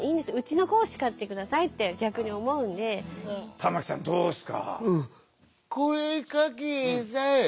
玉木さんどうですか？